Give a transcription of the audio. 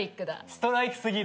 ストライクすぎる。